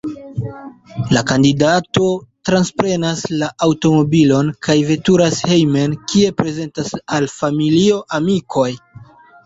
La kandidato transprenas la aŭtomobilon kaj veturas hejmen, kie prezentas al familio, amikoj.